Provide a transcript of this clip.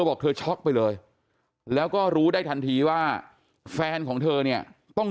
บอกเธอช็อกไปเลยแล้วก็รู้ได้ทันทีว่าแฟนของเธอเนี่ยต้อง